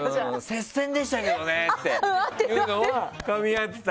接戦でしたけどねっていうのはかみ合ってた。